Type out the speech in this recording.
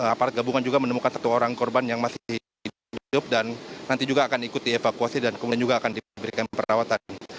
aparat gabungan juga menemukan satu orang korban yang masih hidup dan nanti juga akan ikut dievakuasi dan kemudian juga akan diberikan perawatan